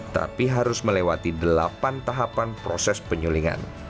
tapi harus melewati delapan tahapan proses penyulingan